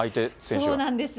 そうなんです。